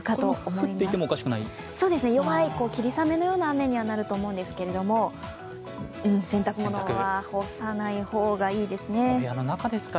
そうですね、弱い霧雨のような雨にはなると思うんですが、洗濯物は干さない方がいいですね。